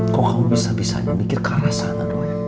kok kamu bisa bisa aja mikir ke arah sana doen